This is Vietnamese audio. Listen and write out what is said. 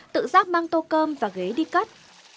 tự giác mang tô cơm và ghế đi cất